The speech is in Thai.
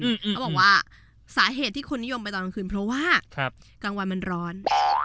เขาบอกว่าสาเหตุที่คนนิยมไปตอนกลางคืนเพราะว่ากลางวันมันร้อน